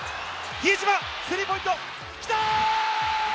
比江島、スリーポイント、きた！